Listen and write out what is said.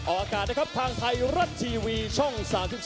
ออกการได้ครับทางไทยรัดทีวีช่อง๓๒